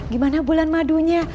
gimana bulan madunya